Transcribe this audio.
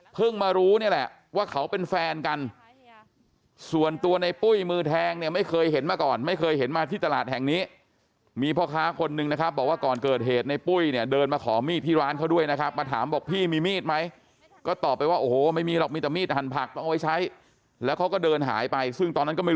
มารู้นี่แหละว่าเขาเป็นแฟนกันส่วนตัวในปุ้ยมือแทงเนี่ยไม่เคยเห็นมาก่อนไม่เคยเห็นมาที่ตลาดแห่งนี้มีพ่อค้าคนนึงนะครับบอกว่าก่อนเกิดเหตุในปุ้ยเนี่ยเดินมาขอมีดที่ร้านเขาด้วยนะครับมาถามบอกพี่มีมีดไหมก็ตอบไปว่าโอ้โหไม่มีหรอกมีแต่มีดหันผักต้องเอาไว้ใช้แล้วเขาก็เดินหายไปซึ่งตอนนั้นก็ไม่รู้